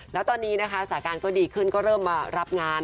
แล้วตอนนี้นะคะสาการก็ดีขึ้นก็เริ่มมารับงาน